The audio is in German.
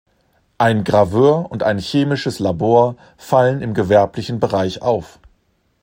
Ein Graveur und ein chemisches Labor fallen im gewerblichen Bereich auf.